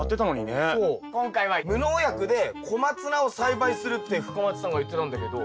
今回は無農薬でコマツナを栽培するって深町さんが言ってたんだけど。